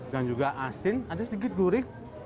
dan juga asin ada sedikit gurih